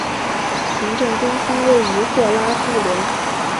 行政中心位于霍拉布伦。